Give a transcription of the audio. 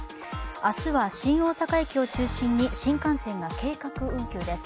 明日は新大阪駅を中心に新幹線が計画運休です。